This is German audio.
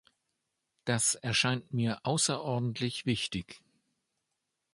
Das erscheint mir außerordentlich wichtig.